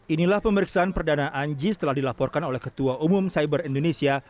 inilah pemeriksaan perdana anji setelah dilaporkan oleh ketua umum cyber indonesia